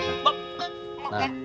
nah nah nah